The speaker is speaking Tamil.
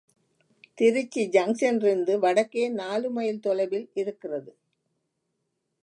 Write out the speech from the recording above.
திருச்சி ஜங்ஷனிலிருந்து வடக்கே நாலுமைல் தொலைவில் இருக்கிறது.